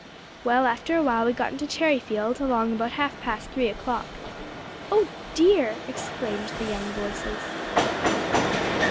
"Well, after a while we got into Cherryfield, along about half past three o'clock." "Oh dear!" exclaimed the young voices.